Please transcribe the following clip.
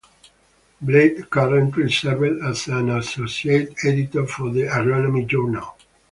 Blade currently serves as an Associate Editor for the Agronomy Journal.